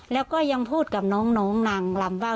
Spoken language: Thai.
แล้วก็ยังพูดกับน้องนางลำว่า